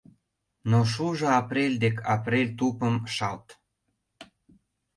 Но шужо апрель дек, апрель тупым шалт